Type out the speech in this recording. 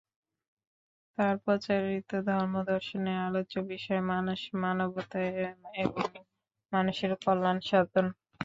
তাঁর প্রচারিত ধর্ম-দর্শনের আলোচ্য বিষয় মানুষ, মানবতা এবং মানুষের কল্যাণ সাধন।